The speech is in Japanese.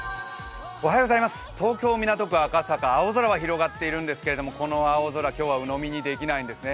東京・港区赤坂、青空は広がっているんですけどこの青空、きょうはうのみにできないんですね。